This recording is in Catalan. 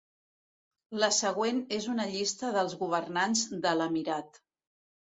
La següent és una llista dels governants de l'emirat.